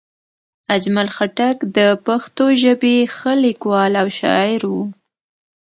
اجمل خټک د پښتو ژبې ښه لیکوال او شاعر وو